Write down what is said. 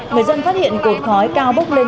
người dân phát hiện cột khói cao bốc lên